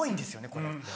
これって。